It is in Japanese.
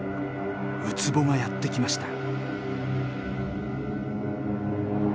ウツボがやって来ました。